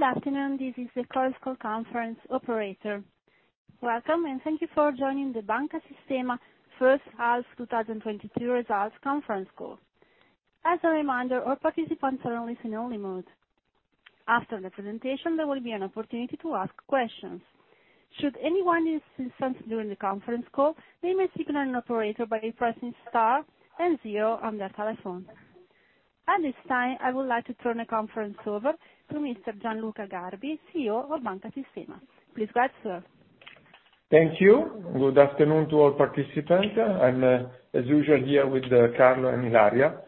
Good afternoon, this is the conference operator. Welcome, and thank you for joining the Banca Sistema First Half 2022 Results Conference Call. As a reminder, all participants are in listen-only mode. After the presentation, there will be an opportunity to ask questions. Should anyone need assistance during the conference call, they may signal an operator by pressing star and zero on their telephone. At this time, I would like to turn the conference over to Mr. Gianluca Garbi, CEO of Banca Sistema. Please go ahead, sir. Thank you. Good afternoon to all participants. I'm, as usual, here with Carlo and Ilaria,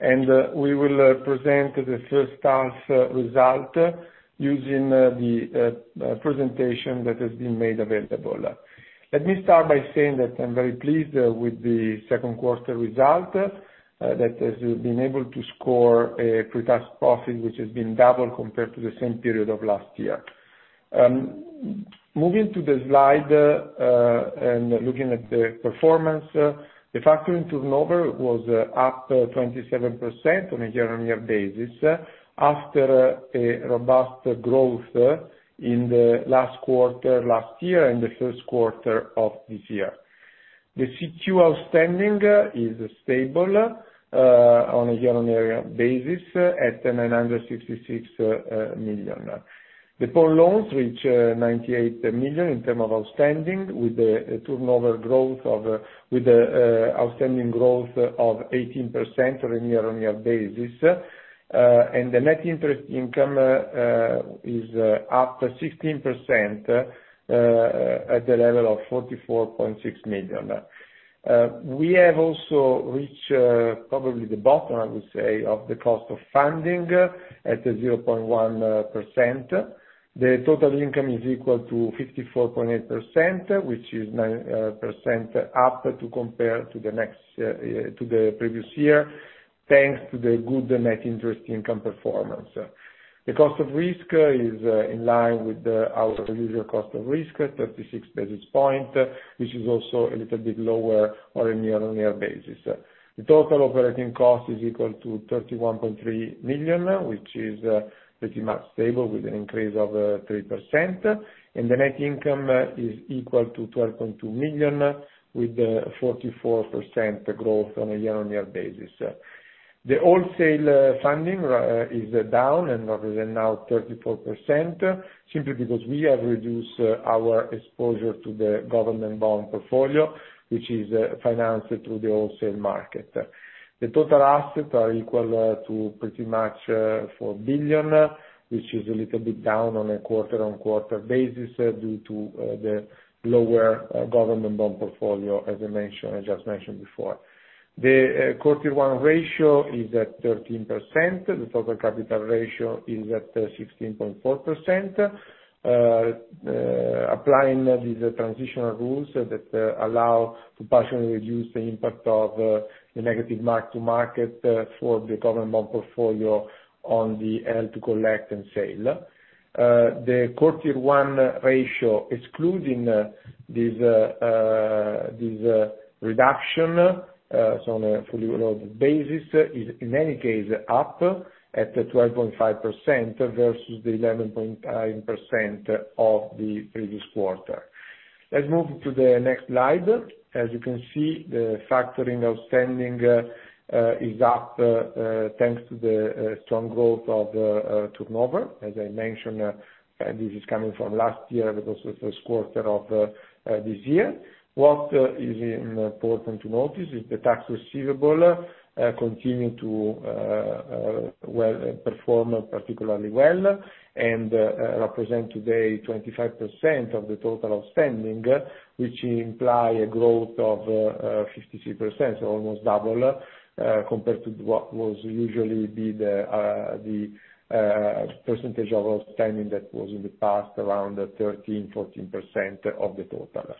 and we will present the first half result using the presentation that has been made available. Let me start by saying that I'm very pleased with the second quarter result that has been able to score a pre-tax profit, which has been double compared to the same period of last year. Moving to the slide and looking at the performance, the factoring turnover was up to 27% on a year-on-year basis, after a robust growth in the last quarter last year and the first quarter of this year. The CQ outstanding is stable on a year-on-year basis at 966 million. The pawn loans, which 98 million in terms of outstanding with the turnover growth of with the outstanding growth of 18% on a year-on-year basis. And the net interest income is up to 16% at the level of 44.6 million. We have also reached probably the bottom, I would say, of the cost of funding at a 0.1%. The total income is equal to 54.8 million, which is 9% up compared to the previous year, thanks to the good net interest income performance. The cost of risk is in line with our usual cost of risk, at 36 basis points, which is also a little bit lower on a year-on-year basis. The total operating cost is equal to 31.3 million, which is pretty much stable, with an increase of 3%. The net income is equal to 12.2 million, with the 44% growth on a year-on-year basis. The wholesale funding is down and rather it's now 34%, simply because we have reduced our exposure to the government bond portfolio, which is financed through the wholesale market. The total assets are equal to pretty much 4 billion, which is a little bit down on a quarter-on-quarter basis, due to the lower government bond portfolio, as I mentioned, I just mentioned before. The Core Tier 1 ratio is at 13%. The total capital ratio is at 16.4%. Applying these transitional rules that allow to partially reduce the impact of the negative mark-to-market for the Government Bond Portfolio on the Held to Collect and Sell. The Core Tier 1 ratio, excluding this reduction, so on a fully loaded basis, is in any case up at 12.5% versus the 11.9% of the previous quarter. Let's move to the next slide. As you can see, the factoring outstanding is up thanks to the strong growth of turnover. As I mentioned, and this is coming from last year, but also the first quarter of this year. What is important to notice is the tax receivables continue to well perform particularly well, and represent today 25% of the total outstanding, which imply a growth of 53%, almost double, compared to what was usually be the percentage of outstanding that was in the past, around 13%-14% of the total.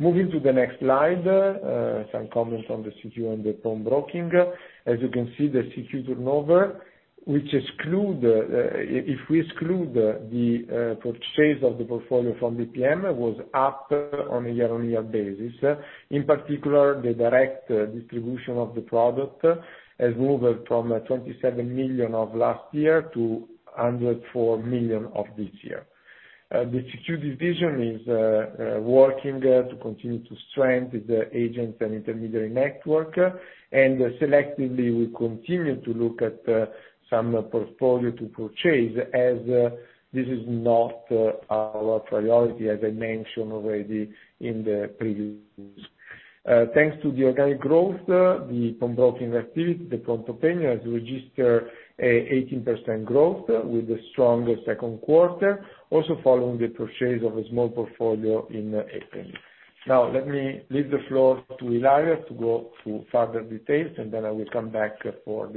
Moving to the next slide, some comments on the CQ and the pawnbroking. As you can see, the CQ turnover, which exclude if we exclude the purchase of the portfolio from BPM, was up on a year-on-year basis. In particular, the direct distribution of the product has moved from 27 million of last year to 104 million of this year. The security division is working to continue to strengthen the agent and intermediary network, and selectively, we continue to look at some portfolio to purchase as this is not our priority, as I mentioned already in the previous. Thanks to the organic growth, the pawnbroking activity has registered an 18% growth with a stronger second quarter, also following the purchase of a small portfolio in April. Now, let me leave the floor to Ilaria to go through further details, and then I will come back for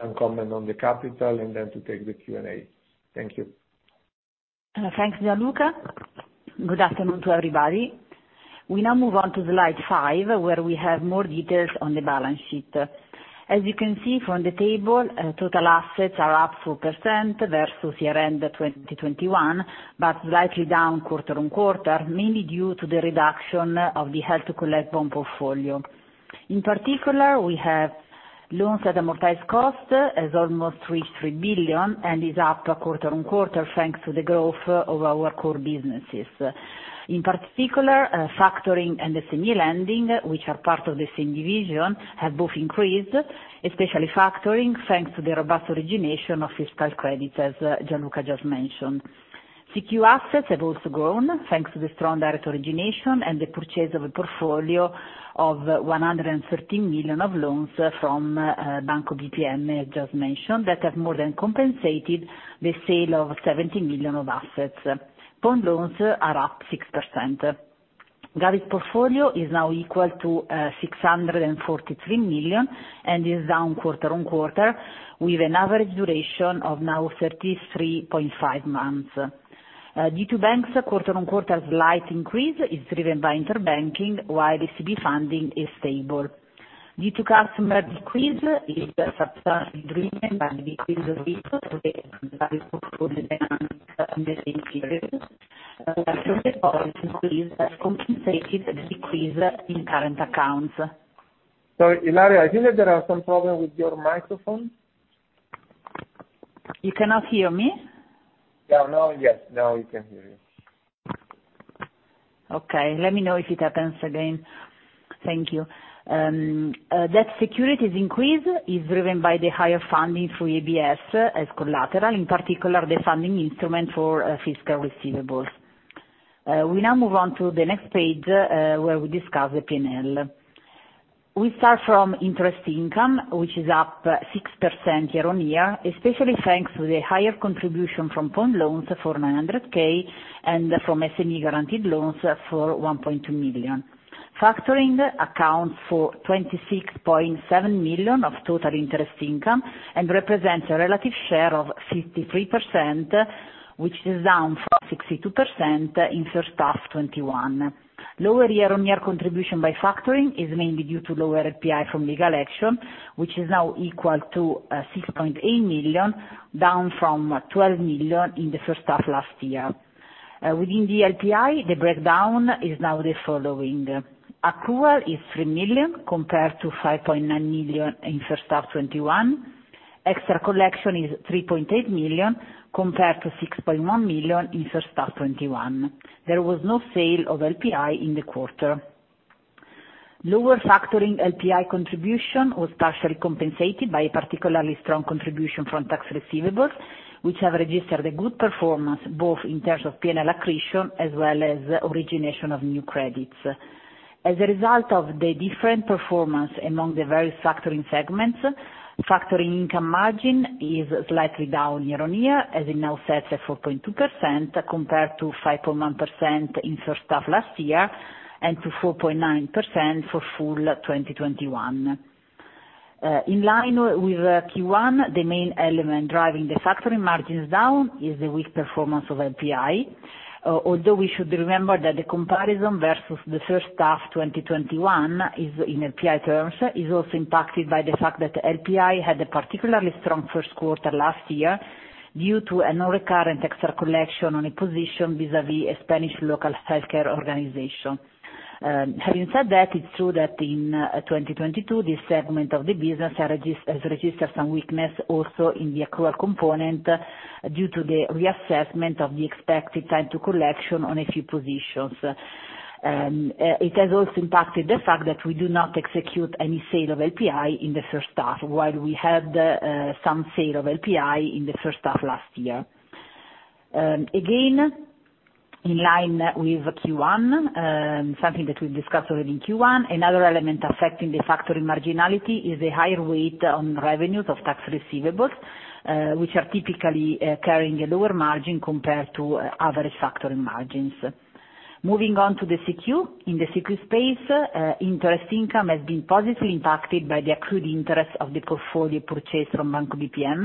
some comment on the capital and then to take the Q&A. Thank you. Thanks, Gianluca. Good afternoon to everybody. We now move on to slide five, where we have more details on the balance sheet. As you can see from the table, total assets are up 4% versus year-end 2021, but slightly down quarter-on-quarter, mainly due to the reduction of the held to collect bond portfolio. In particular, we have loans at amortized cost, has almost reached 3 billion and is up quarter-over-quarter, thanks to the growth of our core businesses. In particular, factoring and the SME lending, which are part of the same division, have both increased, especially factoring, thanks to the robust origination of fiscal credit, as Gianluca just mentioned. CQ assets have also grown, thanks to the strong direct origination and the purchase of a portfolio of 113 million of loans from Banco BPM, as just mentioned, that have more than compensated the sale of 70 million of assets. Pawn loans are up 6%. govis portfolio is now equal to 643 million, and is down quarter-over-quarter, with an average duration of now 33.5 months. Deposits from banks, quarter-on-quarter's slight increase is driven by interbank, while the CB funding is stable. Deposits from customers decrease, it's substantially driven by decrease of in the same period compensated the decrease in current accounts. Sorry, Ilaria, I think that there are some problem with your microphone. You cannot hear me? Yeah, no, yes. Now we can hear you. Okay. Let me know if it happens again. Thank you. That securities increase is driven by the higher funding through ABS as collateral, in particular, the funding instrument for fiscal receivables. We now move on to the next page, where we discuss the P&L. We start from interest income, which is up 6% year-on-year, especially thanks to the higher contribution from pawn loans for 900K, and from SME guaranteed loans for 1.2 million. Factoring accounts for 26.7 million of total interest income, and represents a relative share of 53%, which is down from 62% in first half 2021. Lower year-on-year contribution by factoring is mainly due to lower LPI from legal action, which is now equal to 6.8 million, down from 12 million in the first half last year. Within the LPI, the breakdown is now the following: accrual is 3 million, compared to 5.9 million in first half 2021. Extra collection is 3.8 million, compared to 6.1 million in first half 2021. There was no sale of LPI in the quarter. Lower factoring LPI contribution was partially compensated by a particularly strong contribution from tax receivables, which have registered a good performance, both in terms of P&L accretion, as well as origination of new credits. As a result of the different performance among the various factoring segments, factoring income margin is slightly down year-on-year, as it now sets at 4.2%, compared to 5.1% in first half last year, and to 4.9% for full 2021. In line with Q1, the main element driving the factoring margins down is the weak performance of LPI, although we should remember that the comparison versus the first half 2021 is, in LPI terms, also impacted by the fact that LPI had a particularly strong first quarter last year, due to a non-recurrent extra collection on a position vis-à-vis a Spanish local healthcare organization. Having said that, it's true that in 2022, this segment of the business has registered some weakness also in the accrual component, due to the reassessment of the expected time to collection on a few positions. It has also impacted the fact that we do not execute any sale of LPI in the first half, while we had some sale of LPI in the first half last year. Again, in line with Q1, something that we've discussed already in Q1, another element affecting the factoring marginality is the higher weight on revenues of tax receivables, which are typically carrying a lower margin compared to other factoring margins. Moving on to the CQ. In the CQ space, interest income has been positively impacted by the accrued interest of the portfolio purchase from Banco BPM,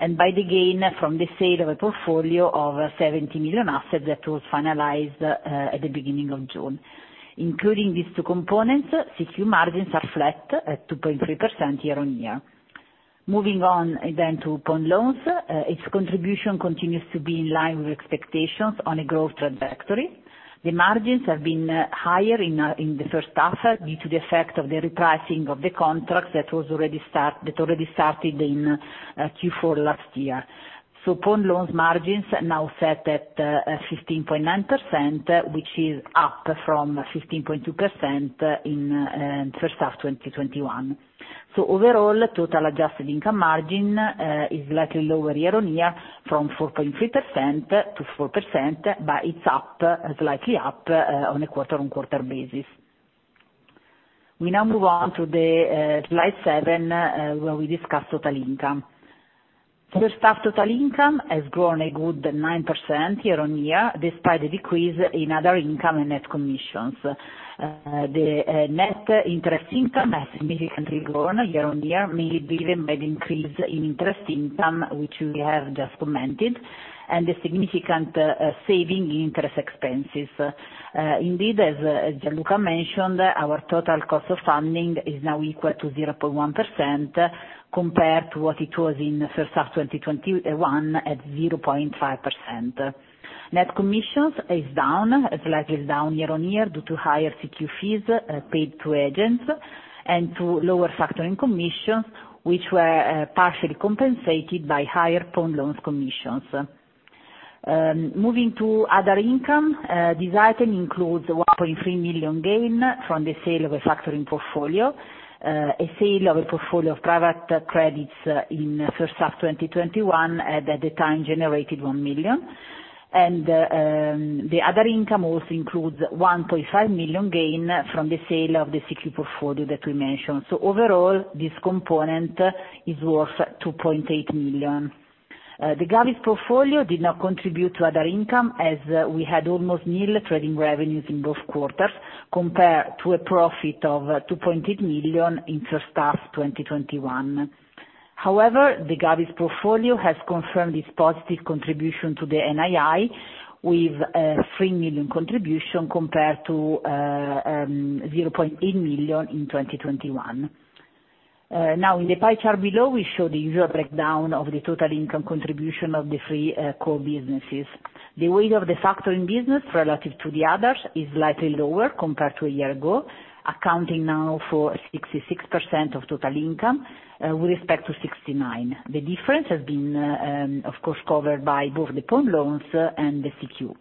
and by the gain from the sale of a portfolio of 70 million assets that was finalized at the beginning of June. Including these two components, CQ margins are flat at 2.3% year-on-year. Moving on then to pawn loans, its contribution continues to be in line with expectations on a growth trajectory. The margins have been higher in the first half, due to the effect of the repricing of the contracts that already started in Q4 last year. So pawn loans margins now set at 15.9%, which is up from 15.2% in first half 2021. So overall, total adjusted income margin is slightly lower year-on-year from 4.3%-4%, but it's up, slightly up, on a quarter-on-quarter basis. We now move on to the slide seven, where we discuss total income. First half, total income has grown a good 9% year-on-year, despite a decrease in other income and net commissions. The net interest income has significantly grown year-on-year, mainly driven by the increase in interest income, which we have just commented, and the significant saving in interest expenses. Indeed, as Gianluca mentioned, our total cost of funding is now equal to 0.1%, compared to what it was in the first half 2021, at 0.5%. Net commissions is down, it's slightly down year-on-year, due to higher CQ fees paid to agents, and to lower factoring commissions, which were partially compensated by higher pawn loans commissions. Moving to other income, this item includes 1.3 million gain from the sale of a factoring portfolio, a sale of a portfolio of private credits, in first half 2021, and at the time generated 1 million. The other income also includes 1.5 million gain from the sale of the CQ portfolio that we mentioned. So overall, this component is worth 2.8 million. The govis portfolio did not contribute to other income, as we had almost NIL trading revenues in both quarters, compared to a profit of 2.8 million in first half 2021. However, the govis portfolio has confirmed its positive contribution to the NII, with 3 million contribution compared to 0.8 million in 2021. Now, in the pie chart below, we show the usual breakdown of the total income contribution of the three core businesses. The weight of the factoring business relative to the others is slightly lower compared to a year ago, accounting now for 66% of total income, with respect to 69%. The difference has been, of course, covered by both the pawn loans and the CQ.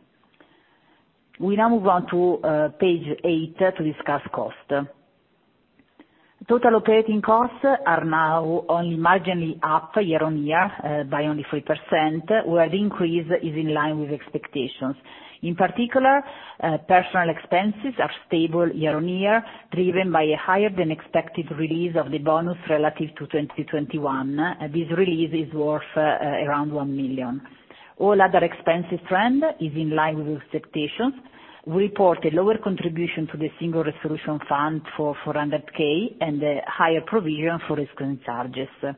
We now move on to page eight to discuss costs. Total operating costs are now only marginally up year-on-year by only 3%, where the increase is in line with expectations. In particular, personal expenses are stable year-on-year, driven by a higher than expected release of the bonus relative to 2021. This release is worth around 1 million. All other expenses trend is in line with expectations. We report a lower contribution to the Single Resolution Fund for 400,000 and a higher provision for risk and charges. Then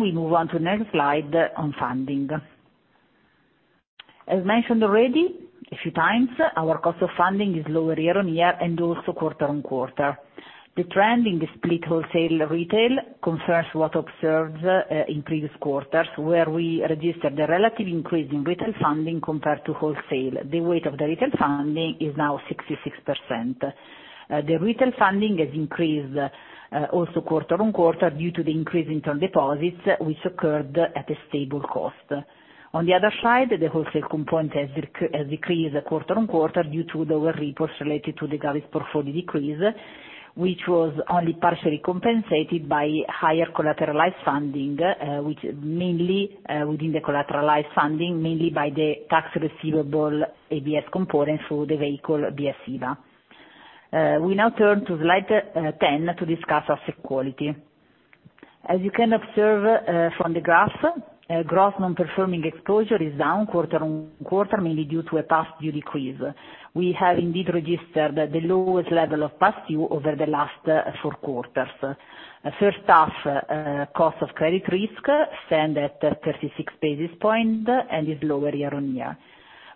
we move on to the next slide on funding. As mentioned already, a few times, our cost of funding is lower year-on-year and also quarter-on-quarter. The trend in the split wholesale retail confirms what observed in previous quarters, where we registered a relative increase in retail funding compared to wholesale. The weight of the retail funding is now 66%. The retail funding has increased also quarter-on-quarter due to the increase in term deposits, which occurred at a stable cost. On the other side, the wholesale component has decreased quarter-on-quarter due to the over reports related to the govies portfolio decrease, which was only partially compensated by higher collateralized funding, which mainly within the collateralized funding, mainly by the tax receivable ABS component through the vehicle BSBA. We now turn to slide 10 to discuss asset quality. As you can observe from the graph, gross non-performing exposure is down quarter-on-quarter, mainly due to a past due decrease. We have indeed registered the lowest level of past due over the last four quarters. First half cost of credit risk stands at 36 basis points and is lower year-on-year.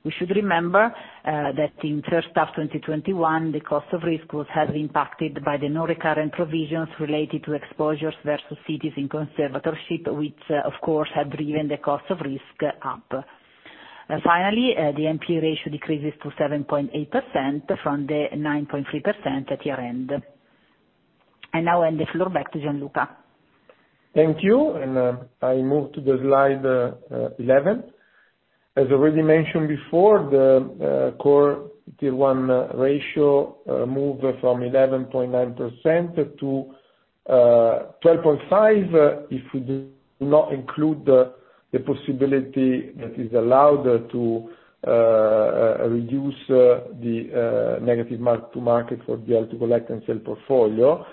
We should remember that in first half 2021, the cost of risk was had impacted by the non-recurrent provisions related to exposures versus cities in conservatorship, which, of course, have driven the cost of risk up. Finally, the NP ratio decreases to 7.8% from the 9.3% at year-end. I now hand the floor back to Gianluca. Thank you, and I move to the slide 11. As already mentioned before, the Core Tier 1 ratio moved from 11.9%-12.5%, if we do not include the possibility that is allowed to reduce the negative mark to market for held to collect and sell portfolio,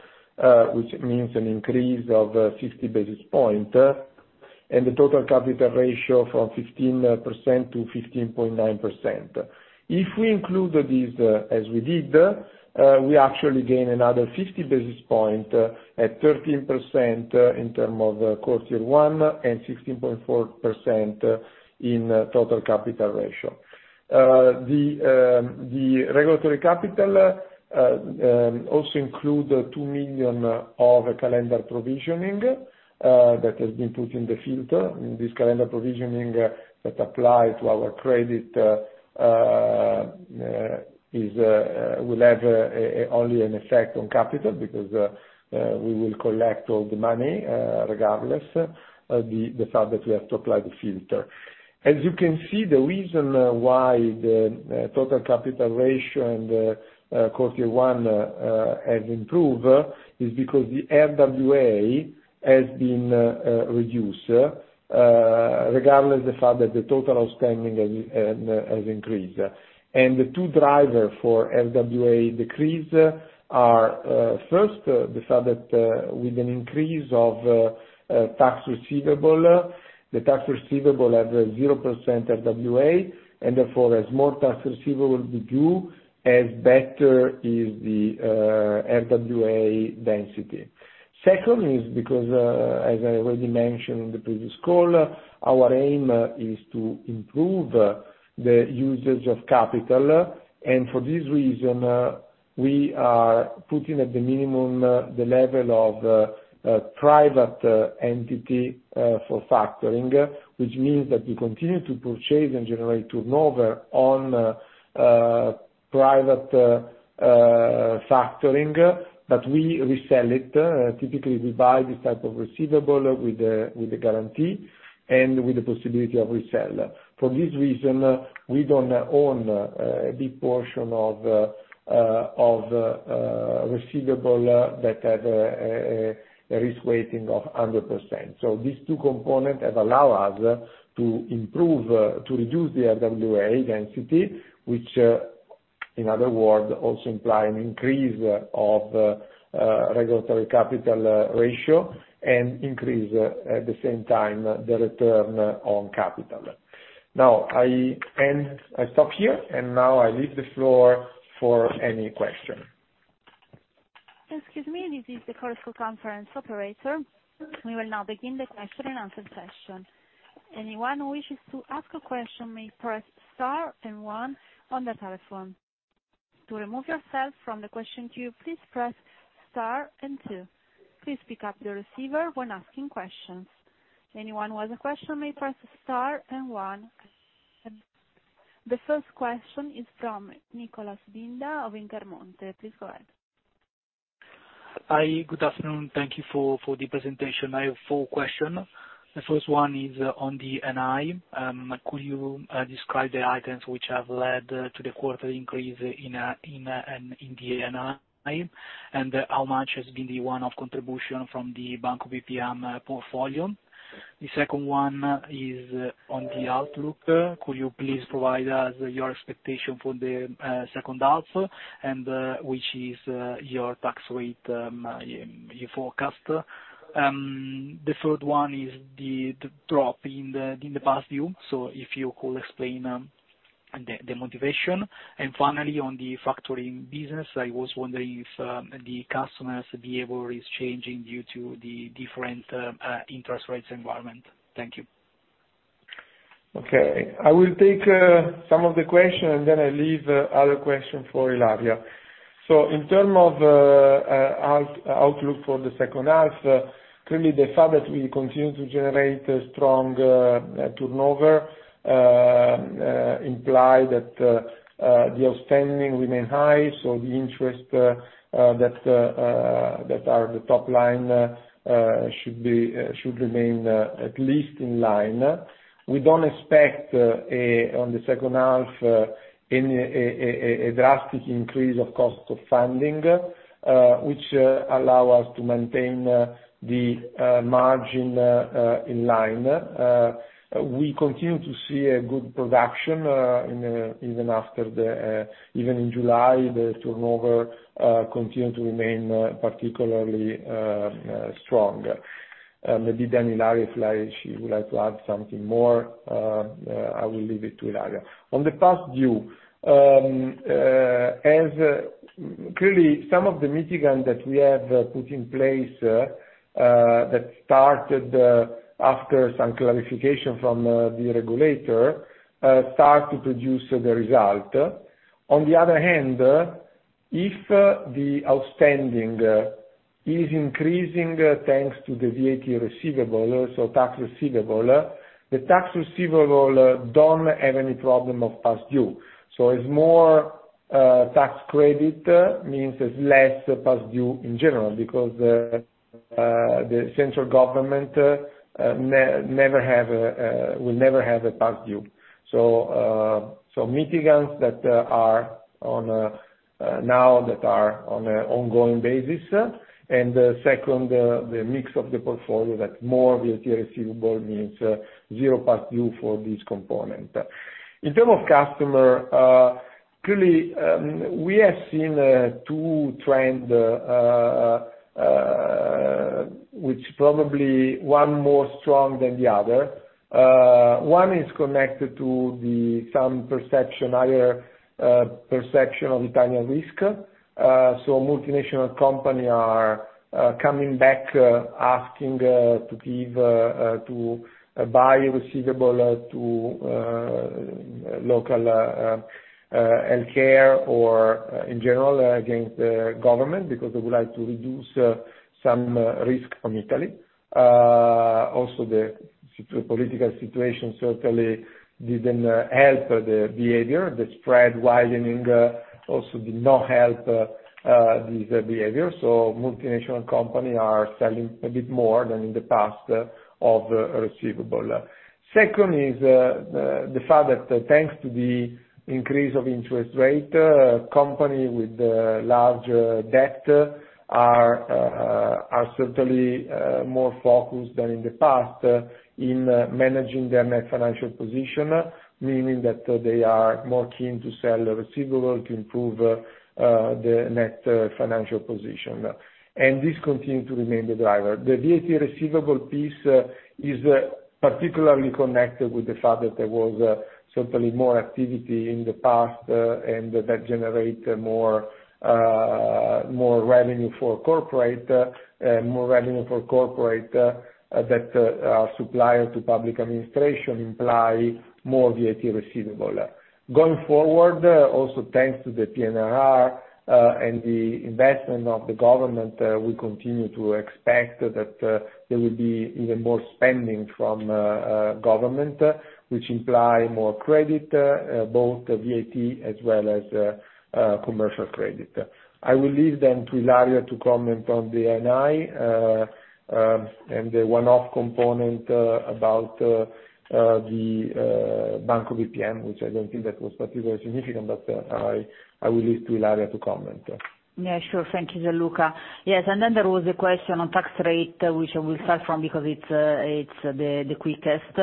which means an increase of 50 basis point, and the total capital ratio from 15%-15.9%. If we include these, as we did, we actually gain another 50 basis point, at 13% in term of Core Tier 1, and 16.4% in total capital ratio. The regulatory capital also include the 2 million of a calendar provisioning that has been put in the filter. This Calendar Provisioning that applies to our credit will have only an effect on capital because we will collect all the money regardless of the fact that we have to apply the filter. As you can see, the reason why the total capital ratio and Core Tier 1 has improved is because the RWA has been reduced regardless of the fact that the total outstanding has increased. And the two drivers for RWA decrease are first, the fact that with an increase of tax receivables, the tax receivables at 0% RWA, and therefore as more tax receivables will be due, as better is the RWA density. Second is because, as I already mentioned in the previous call, our aim is to improve the usage of capital, and for this reason, we are putting at the minimum the level of private entity for factoring, which means that we continue to purchase and generate turnover on private factoring, but we resell it. Typically, we buy this type of receivable with a guarantee and with the possibility of resell. For this reason, we don't own a big portion of receivable that have a risk weighting of 100%. So these two components have allowed us to improve to reduce the RWA density, which-In other words, also imply an increase of regulatory capital ratio and increase at the same time the return on capital. Now, I end, I stop here, and now I leave the floor for any question. Excuse me, this is the commercial conference operator. We will now begin the question and answer session. Anyone who wishes to ask a question may press star and one on the telephone. To remove yourself from the question queue, please press star and two. Please pick up your receiver when asking questions. Anyone who has a question may press star and one. The first question is from Nicholas Binda of Intermonte. Please go ahead. Hi, good afternoon. Thank you for the presentation. I have four question. The first one is on the NII. Could you describe the items which have led to the quarter increase in the NII? And how much has been the one-off contribution from the Banco BPM portfolio? The second one is on the outlook. Could you please provide us your expectation for the second half, and which is your tax rate you forecast? The third one is the drop in the past due. So if you could explain the motivation. And finally, on the factoring business, I was wondering if the customers' behavior is changing due to the different interest rates environment. Thank you. Okay. I will take some of the question, and then I leave the other question for Ilaria. So in term of outlook for the second half, clearly the fact that we continue to generate a strong turnover imply that the outstanding remain high, so the interest that are the top line should be should remain at least in line. We don't expect a on the second half any drastic increase of cost of funding which allow us to maintain the margin in line. We continue to see a good production in even in July, the turnover continued to remain particularly strong. Maybe then Ilaria, if Ilaria she would like to add something more, I will leave it to Ilaria. On the past due, as clearly some of the mitigant that we have put in place that started after some clarification from the regulator start to produce the result. On the other hand, if the outstanding is increasing thanks to the VAT receivable, so tax receivable, the tax receivable don't have any problem of past due. So it's more tax credit, means it's less past due in general, because the central government never will have a past due. So, mitigants that are on now that are on an ongoing basis, and second, the mix of the portfolio that more VAT receivables means zero past due for this component. In terms of customer, clearly, we have seen two trends, which probably one more strong than the other. One is connected to some perception, higher perception of Italian risk. So multinational companies are coming back, asking to buy receivables from local healthcare or, in general, against government because they would like to reduce some risk from Italy. Also the political situation certainly didn't help the behavior, the spread widening also did not help this behavior. So multinational companies are selling a bit more than in the past of receivables. Second is the fact that thanks to the increase of interest rates, companies with large debt are certainly more focused than in the past in managing their net financial position, meaning that they are more keen to sell a receivable to improve the net financial position. And this continue to remain the driver. The VAT receivable piece is particularly connected with the fact that there was certainly more activity in the past, and that generate more revenue for corporates that suppliers to public administration imply more VAT receivables. Going forward, also thanks to the PNRR and the investment of the government, we continue to expect that there will be even more spending from government, which imply more credit, both the VAT as well as commercial credit. I will leave then to Ilaria to comment on the NI and the one-off component about the Banco BPM, which I don't think that was particularly significant, but I will leave to Ilaria to comment. Yeah, sure. Thank you, Luca. Yes, and then there was a question on tax rate, which I will start from because it's the quickest.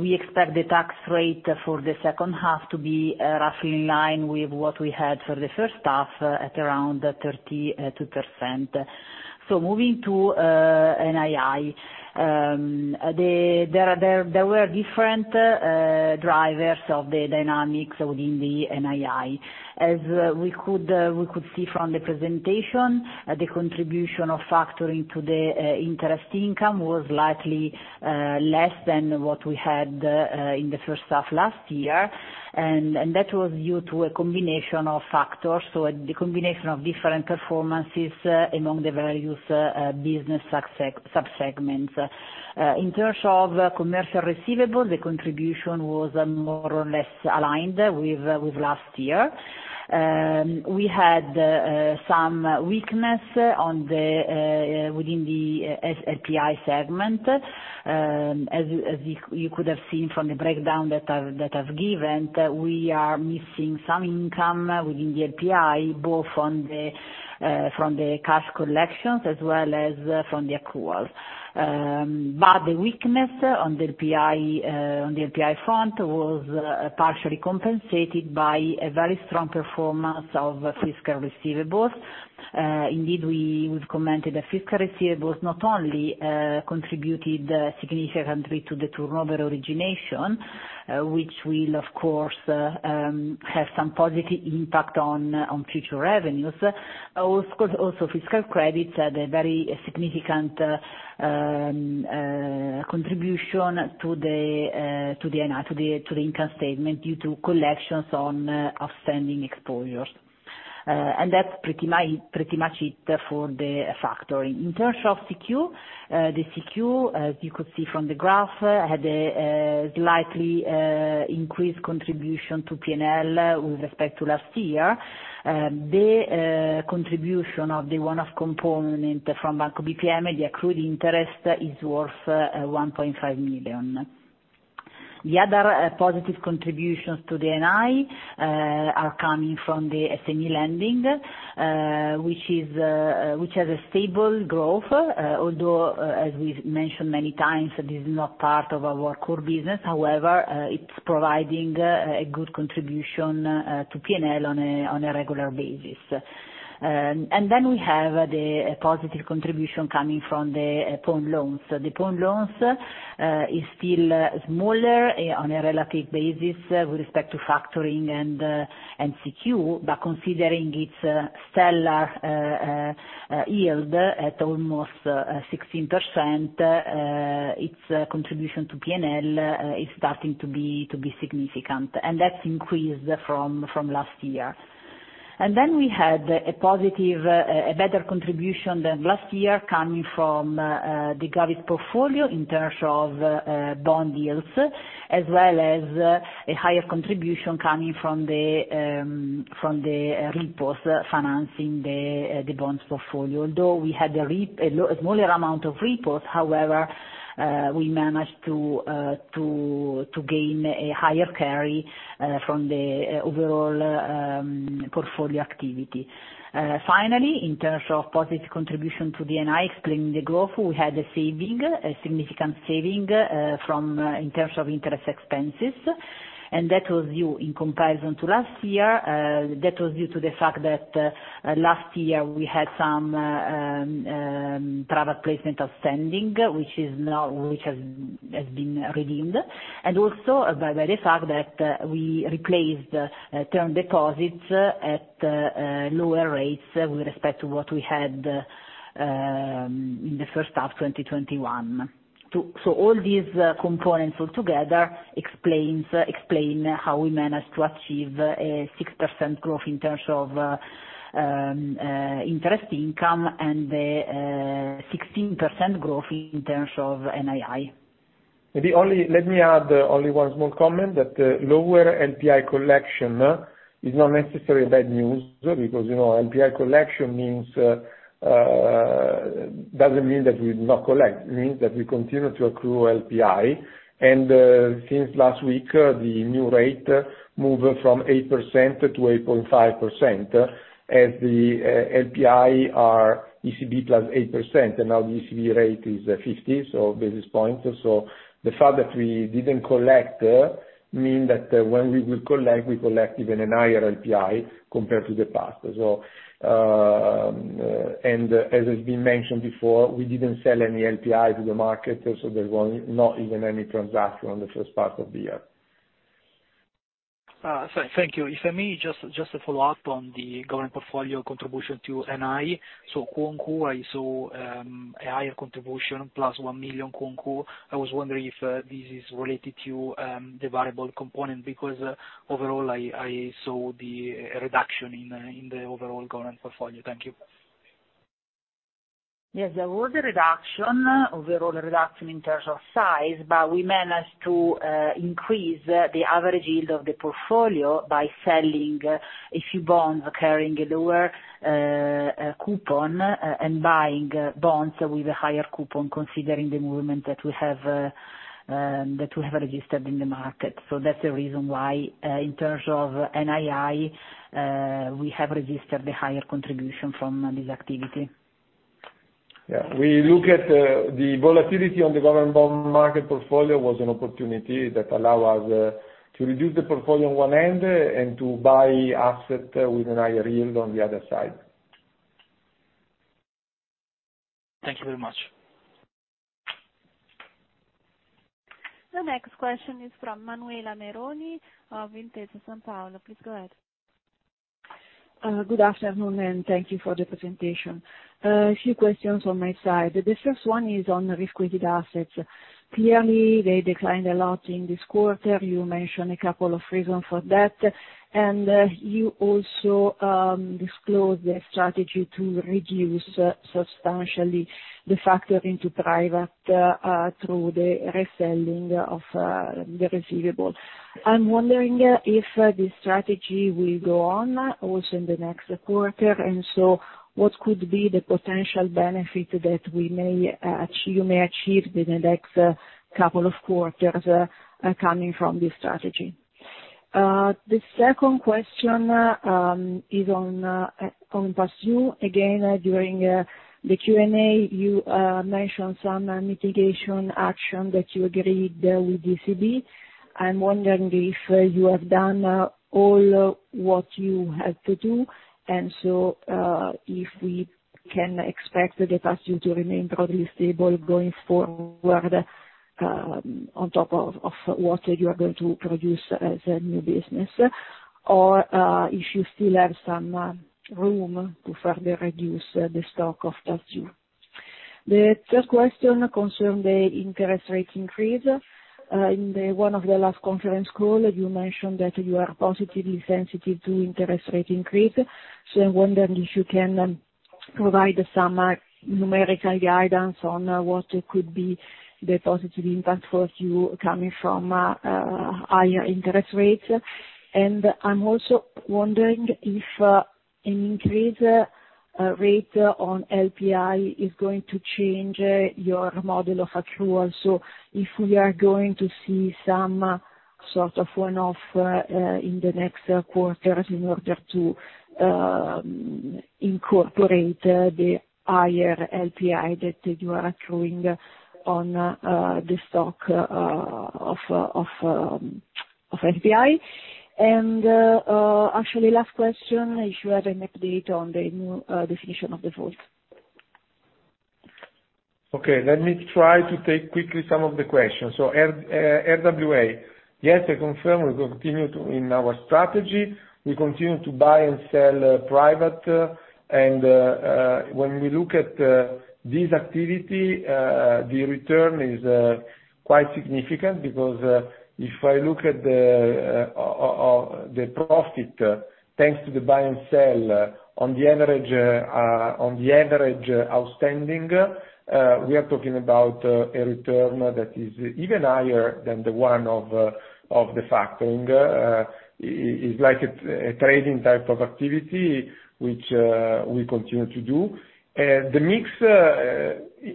We expect the tax rate for the second half to be roughly in line with what we had for the first half, at around 32%. So moving to NII, there were different drivers of the dynamics within the NII. As we could see from the presentation, the contribution of factoring to the interest income was likely less than what we had in the first half last year. And that was due to a combination of factors, so the combination of different performances among the various business subsegments. In terms of commercial receivable, the contribution was more or less aligned with last year. We had some weakness within the LPI segment. As you could have seen from the breakdown that I've given, we are missing some income within the LPI, both from the cash collections as well as from the accruals. But the weakness on the LPI front was partially compensated by a very strong performance of fiscal receivables. Indeed, we've commented that fiscal receivables not only contributed significantly to the turnover origination, which will, of course, have some positive impact on future revenues. Of course, also fiscal credits had a very significant contribution to the NII to the income statement due to collections on outstanding exposures. That's pretty much it for the factoring. In terms of CQ, the CQ you could see from the graph had a slightly increased contribution to P&L with respect to last year. The contribution of the one-off component from Banco BPM, the accrued interest, is worth 1.5 million. The other positive contributions to the NII are coming from the SME lending, which has a stable growth, although as we've mentioned many times, this is not part of our core business, however, it's providing a good contribution to P&L on a regular basis. And then we have the positive contribution coming from the pawn loans. The pawn loans is still smaller on a relative basis with respect to factoring and CQ, but considering its stellar yield at almost 16%, its contribution to P&L is starting to be significant, and that's increased from last year. And then we had a better contribution than last year coming from the government portfolio in terms of bond yields, as well as a higher contribution coming from the repos financing the bonds portfolio. Although we had a smaller amount of repos, however, we managed to gain a higher carry from the overall portfolio activity. Finally, in terms of positive contribution to the NII, explaining the growth, we had a saving, a significant saving, from, in terms of interest expenses, and that was due in comparison to last year, that was due to the fact that, last year we had some, private placement outstanding, which is now, which has been redeemed. And also by, by the fact that, we replaced, term deposits at, lower rates with respect to what we had, in the first half 2021. So all these, components all together explains, explain how we managed to achieve a 6% growth in terms of, interest income, and a, 16% growth in terms of NII. The only. Let me add only one small comment, that, lower LPI collection is not necessarily bad news, because, you know, LPI collection means, doesn't mean that we do not collect, it means that we continue to accrue LPI. And, since last week, the new rate moved from 8%-8.5%, as the LPI are ECB +8%, and now the ECB rate is 50 basis points. So the fact that we didn't collect mean that, when we will collect, we collect even an higher LPI compared to the past. So, and as has been mentioned before, we didn't sell any LPI to the market, so there were not even any transaction on the first part of the year. Thank you. If I may, just to follow up on the government portfolio contribution to NII. I saw a higher contribution, +1 million. I was wondering if this is related to the variable component? Because overall I saw the reduction in the overall government portfolio. Thank you. Yes, there was a reduction, overall reduction in terms of size, but we managed to increase the average yield of the portfolio by selling a few bonds occurring a lower coupon, and buying bonds with a higher coupon, considering the movement that we have registered in the market. That's the reason why, in terms of NII, we have registered the higher contribution from this activity. Yeah, we look at the volatility on the government bond market portfolio was an opportunity that allow us to reduce the portfolio on one end and to buy asset with a higher yield on the other side. Thank you very much. The next question is from Manuela Meroni of Intesa Sanpaolo. Please go ahead. Good afternoon, and thank you for the presentation. A few questions on my side. The first one is on the risk-weighted assets. Clearly, they declined a lot in this quarter, you mentioned a couple of reasons for that, and you also disclosed the strategy to reduce substantially the factoring to private through the reselling of the receivable. I'm wondering if this strategy will go on also in the next quarter, and so what could be the potential benefit that you may achieve in the next couple of quarters coming from this strategy? The second question is on past due. Again, during the Q&A, you mentioned some mitigation action that you agreed with ECB. I'm wondering if you have done all what you had to do, and so if we can expect the past due to remain probably stable going forward, on top of what you are going to produce as a new business, or if you still have some room to further reduce the stock of past due. The third question concern the interest rate increase. In one of the last conference call, you mentioned that you are positively sensitive to interest rate increase, so I'm wondering if you can provide some numerical guidance on what could be the positive impact for you coming from higher interest rates. And I'm also wondering if an increased rate on LPI is going to change your model of accrual. So if we are going to see some sort of one-off in the next quarters in order to incorporate the higher LPI that you are accruing on the stock of LPI. And actually, last question, if you have an update on the new definition of default. Okay, let me try to take quickly some of the questions. So RWA. Yes, I confirm we continue to, in our strategy, we continue to buy and sell, private, and, when we look at, this activity, the return is, quite significant because, if I look at the, of the profit, thanks to the buy and sell, on the average, on the average, outstanding, we are talking about, a return that is even higher than the one of, of the factoring. It's like a, a trading type of activity, which, we continue to do. The mix,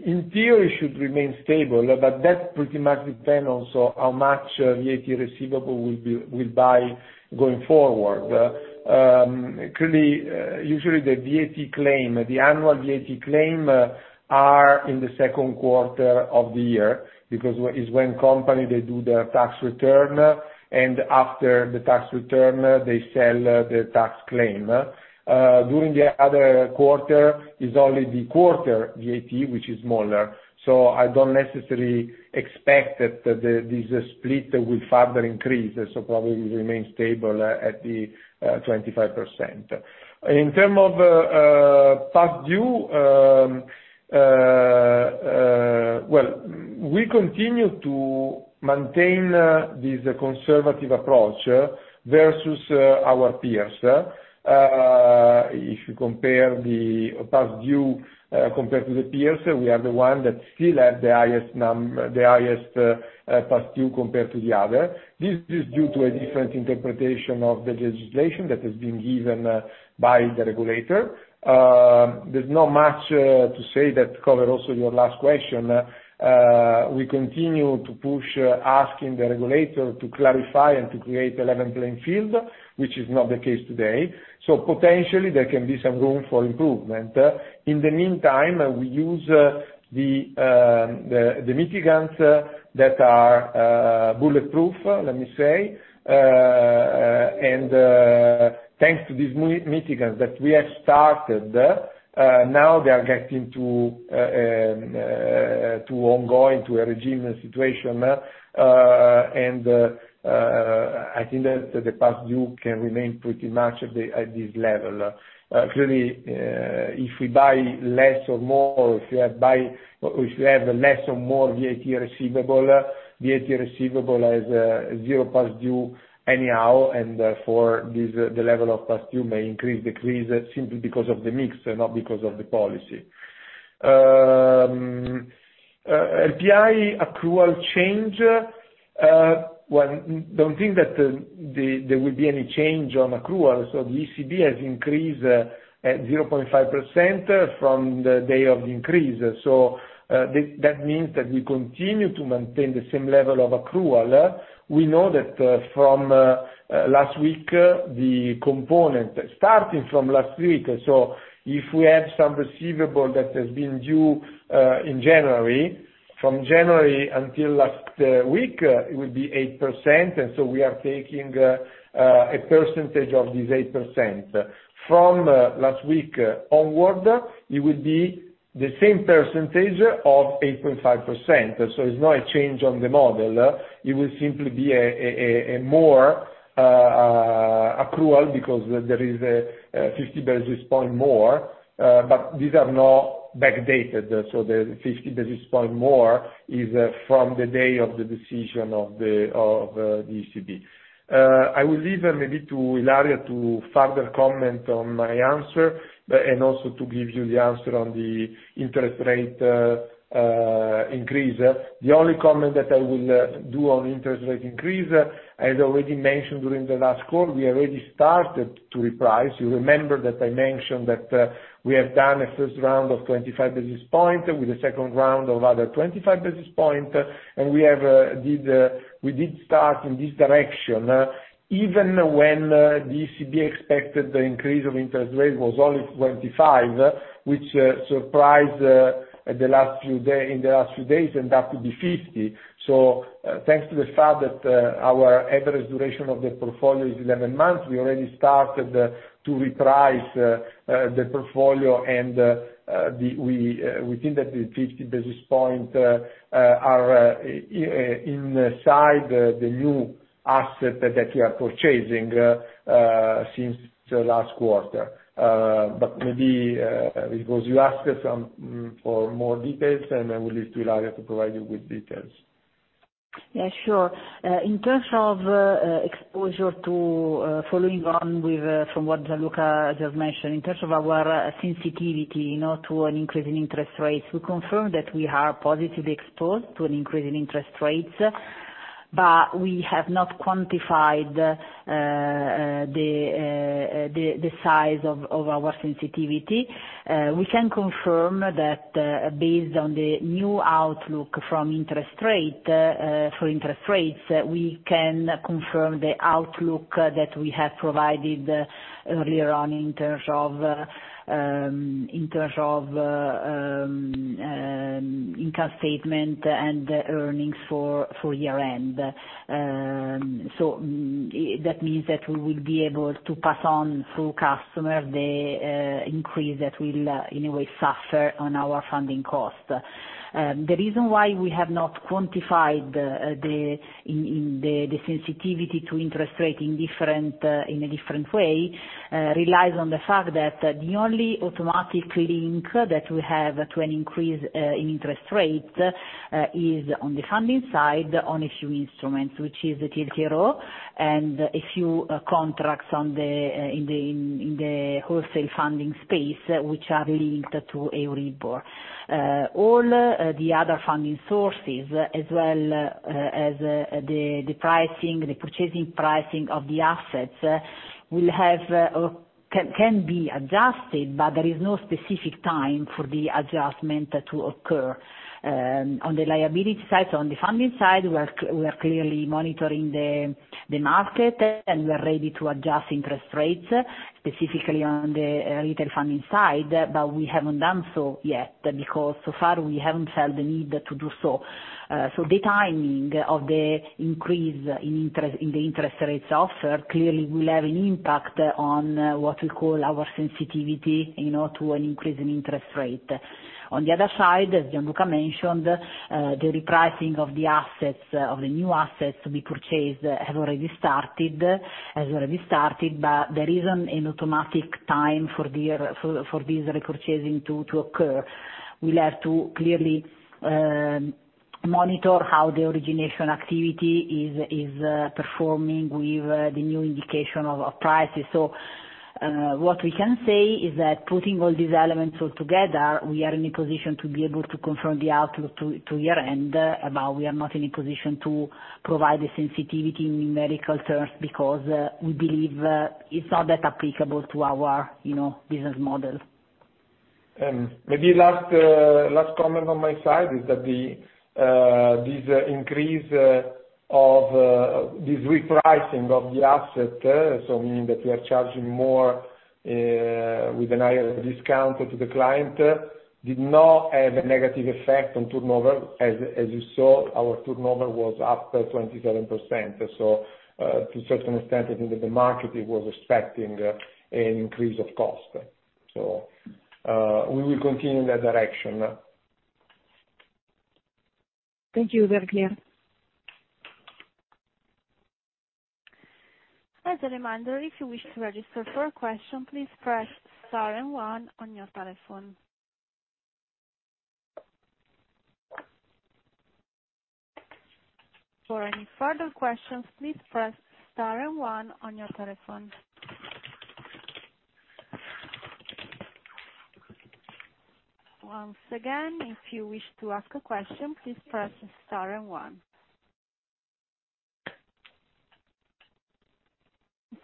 in theory should remain stable, but that pretty much depend also how much, VAT receivable we buy going forward. Clearly, usually the VAT claim, the annual VAT claim, are in the second quarter of the year, because is when company, they do their tax return, and after the tax return, they sell the tax claim. During the other quarter, is only the quarter VAT, which is smaller, so I don't necessarily expect that this split will further increase, so probably remain stable at the 25%. In terms of past due, well, we continue to maintain this conservative approach versus our peers. If you compare the past due compared to the peers, we are the one that still have the highest past due compared to the other. This is due to a different interpretation of the legislation that has been given by the regulator. There's not much to say that cover also your last question. We continue to push asking the regulator to clarify and to create a level playing field, which is not the case today, so potentially there can be some room for improvement. In the meantime, we use the mitigants that are bulletproof, let me say. And thanks to these mitigants that we have started, now they are getting to ongoing, to a regime situation, and I think that the past due can remain pretty much at this level. Clearly, if we buy less or more, or if we buy. or if we have less or more VAT receivable, VAT receivable has zero past due anyhow, and therefore, this the level of past due may increase, decrease, simply because of the mix and not because of the policy. LPI accrual change, well, don't think that there will be any change on accrual. So the ECB has increased 0.5% from the day of the increase, so that means that we continue to maintain the same level of accrual. We know that from last week the component starting from last week, so if we have some receivable that has been due in January, from January until last week it would be 8%, and so we are taking a percentage of this 8%. From last week onward, it would be the same percentage of 8.5%, so it's not a change on the model, it will simply be a more accrual, because there is 50 basis point more, but these are not backdated, so the 50 basis point more is from the day of the decision of the ECB. I will leave maybe to Ilaria to further comment on my answer, and also to give you the answer on the interest rate increase. The only comment that I will do on interest rate increase, as already mentioned during the last call, we already started to reprice. You remember that I mentioned that we have done a first round of 25 basis point, with a second round of other 25 basis point, and we did start in this direction, even when the ECB expected the increase of interest rate was only 25 basis point, which surprised the last few day in the last few days, and that could be 50 basis point. So, thanks to the fact that our average duration of the portfolio is 11 months, we already started to reprice the portfolio, and we think that the 50 basis point are inside the new asset that we are purchasing since the last quarter. But maybe, because you asked some for more details, then I will leave to Ilaria to provide you with details. Yeah, sure. In terms of exposure to, following on with, from what Gianluca just mentioned, in terms of our sensitivity, you know, to an increase in interest rates, we confirm that we are positively exposed to an increase in interest rates, but we have not quantified the size of our sensitivity. We can confirm that, based on the new outlook from interest rate for interest rates, we can confirm the outlook that we have provided earlier on in terms of income statement and earnings for year-end. So, that means that we will be able to pass on through customer the increase that will, in a way, suffer on our funding cost. The reason why we have not quantified the sensitivity to interest rate in a different way relies on the fact that the only automatic link that we have to an increase in interest rates is on the funding side, on a few instruments, which is the TLTRO and a few contracts in the wholesale funding space, which are linked to Euribor. All the other funding sources, as well as the purchasing pricing of the assets, will have or can be adjusted, but there is no specific time for the adjustment to occur. On the liability side, on the funding side, we are clearly monitoring the market, and we are ready to adjust interest rates, specifically on the retail funding side, but we haven't done so yet, because so far we haven't felt the need to do so. So the timing of the increase in interest, in the interest rates offered, clearly will have an impact on what we call our sensitivity, you know, to an increase in interest rate. On the other side, as Gianluca mentioned, the repricing of the assets, of the new assets to be purchased, have already started, has already started, but there isn't an automatic time for this repurchasing to occur. We'll have to clearly monitor how the origination activity is performing with the new indication of prices. So, what we can say is that putting all these elements all together, we are in a position to be able to confirm the outlook to year-end, but we are not in a position to provide the sensitivity in numerical terms because we believe it's not that applicable to our, you know, business model. Maybe last comment on my side is that the this increase of this repricing of the asset, so meaning that we are charging more, with a higher discount to the client, did not have a negative effect on turnover. As you saw, our turnover was up by 27%, so to a certain extent, I think that the market it was expecting an increase of cost. So we will continue in that direction. Thank you, very clear. As a reminder, if you wish to register for a question, please press star and one on your telephone. For any further questions, please press star and one on your telephone. Once again, if you wish to ask a question, please press star and one.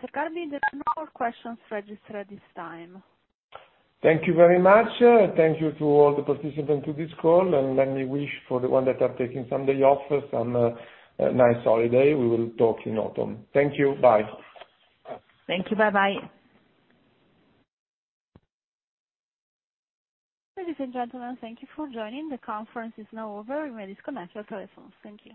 Mr. Garbi, there are no more questions registered at this time. Thank you very much. Thank you to all the participants to this call, and let me wish for the one that are taking Sunday off, some, a nice holiday. We will talk in autumn. Thank you. Bye. Thank you. Bye-bye. Ladies and gentlemen, thank you for joining. The conference is now over. You may disconnect your telephones. Thank you.